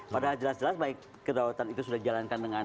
padahal jelas jelas baik kedaulatan itu sudah dijalankan dengan